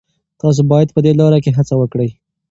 تاسي باید په دې لاره کي هڅه وکړئ.